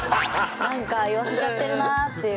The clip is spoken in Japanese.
なんか言わせちゃってるなっていう。